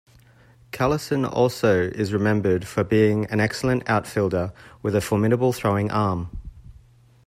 Callison also is remembered for being an excellent outfielder with a formidable throwing arm.